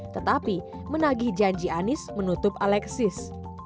tetapi menagih janji anies menutup alexis